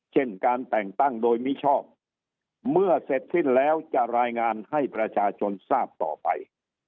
เช่นการแต่งตั้งโดยมิชอบเมื่อเสร็จสิ้นแล้วจะรายงานให้ประชาชนทราบต่อไป